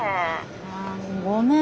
あごめん